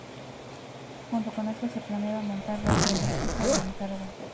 Junto con esto, se planeaba montar radio electrónica "de encargo".